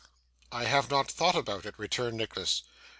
'I have not thought about it,' returned Nicholas.